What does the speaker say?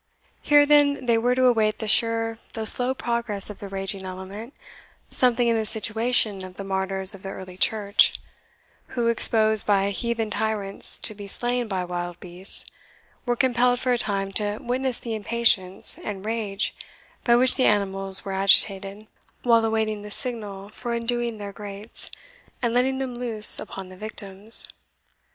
Here, then, they were to await the sure though slow progress of the raging element, something in the situation of the martyrs of the early church, who, exposed by heathen tyrants to be slain by wild beasts, were compelled for a time to witness the impatience and rage by which the animals were agitated, while awaiting the signal for undoing their grates, and letting them loose upon the victims.